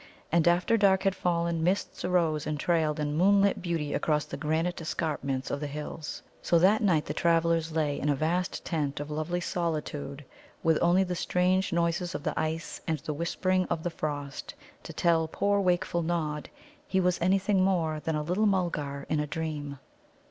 And after dark had fallen, mists arose and trailed in moonlit beauty across the granite escarpments of the hills. So that night the travellers lay in a vast tent of lovely solitude, with only the strange noises of the ice and the whisperings of the frost to tell poor wakeful Nod he was anything more than a little Mulgar in a dream.